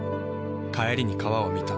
帰りに川を見た。